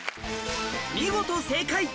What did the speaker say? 見事正解！